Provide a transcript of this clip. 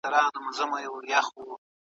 لارښود کولای سي نوي کتابونه شاګرد ته وروپېژني.